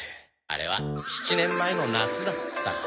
あれは７年前の夏だった。